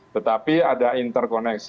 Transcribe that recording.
tetapi ada interkoneksi